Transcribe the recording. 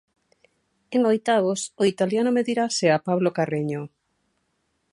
En oitavos, o italiano medirase a Pablo Carreño.